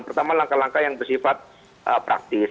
pertama langkah langkah yang bersifat praktis